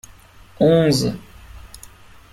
Onze.